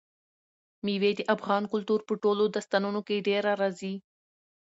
مېوې د افغان کلتور په ټولو داستانونو کې ډېره راځي.